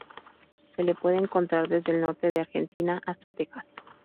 Se le puede encontrar desde el norte de Argentina hasta Texas.